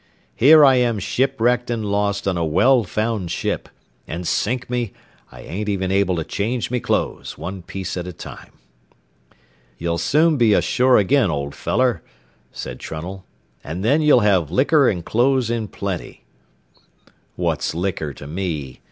Here I am shipwrecked and lost on a well found ship, an' sink me, I ain't even able to change me clothes, one piece at a time." "Ye'll soon be ashore agin, old feller," said Trunnell, "an' then ye'll have licker an' clothes in plenty." "What's licker to me?"